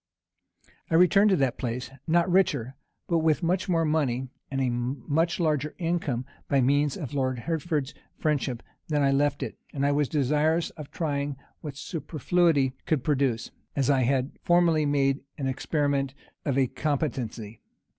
I returned to that place, not richer, but with much more money, and a much larger income, by means of Lord Hertford's friendship, than I left it; and I was desirous of trying what superfluity could produce, as I had formerly made an experiment of a competency.